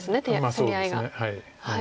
攻め合いが。